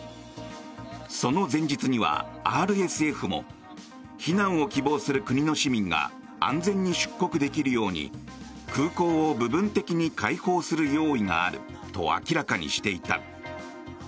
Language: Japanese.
その前日にはＲＳＦも避難を希望する国の市民が安全に出国できるように空港を部分的に開放する用意があると明らかにしていた。